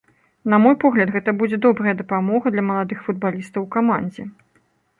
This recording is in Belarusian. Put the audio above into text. На мой погляд, гэта будзе добрая дапамога для маладых футбалістаў у камандзе.